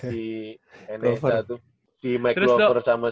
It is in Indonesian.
si enesa tuh si mike glover sama